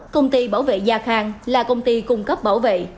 công ty bảo vệ gia khang là công ty cung cấp bảo vệ